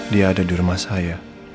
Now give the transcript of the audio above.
dia ada di rumah saya